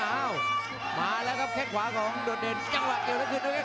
อ้าวมาแล้วครับแค่ขวาของโดดเดนต์